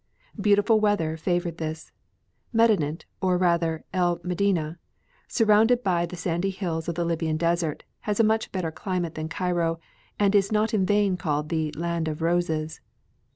Beautiful weather favored this. Medinet, or rather El Medineh, surrounded by the sandy hills of the Libyan Desert, has a much better climate than Cairo and is not in vain called "the land of roses."